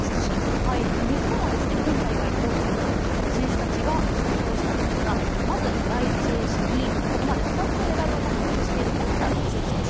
日本は今大会好調のこの選手たちが出場したんですがまず第１泳者にここまで２つメダルを獲得している、富田宇宙選手。